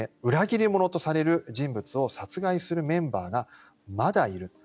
２点目は外国で裏切り者とされる人物を殺害するメンバーがまだいる。